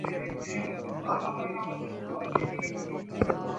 সাধনাশ্রমের দ্বার বদ্ধ।